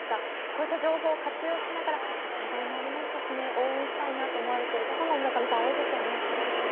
こういった情報を活用しながら、災害もありましたしね、応援したいなと思われてる方も村上さん、そうですね。